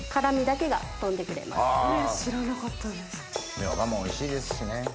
ミョウガもおいしいですしね。